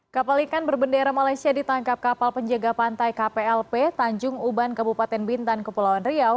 kapal ikan berbendera malaysia ditangkap kapal penjaga pantai kplp tanjung uban kabupaten bintan kepulauan riau